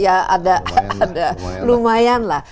ya ada lumayan lah